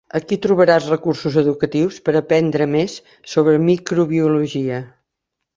Aquí trobaràs recursos educatius per aprendre més sobre microbiologia.